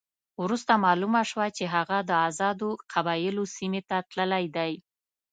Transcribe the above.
وروسته معلومه شوه چې هغه د آزادو قبایلو سیمې ته تللی دی.